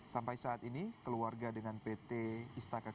sampai saat ini keluarga dengan pt istaka